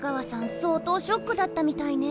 そう当ショックだったみたいね。